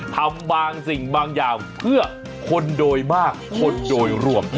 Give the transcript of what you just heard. ทำบางสิ่งบางอย่างเพื่อคนโดยมากคนโดยรวม